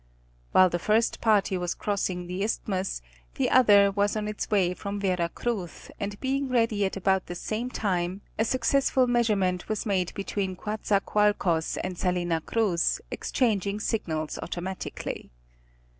While the first party was crossing the Isthmus, the other was on its way from Vera Cruz, and being ready at. about the same time, a successful measurement was made between Coatzacoalcos and Salina Cruz, exchanging signals automatically.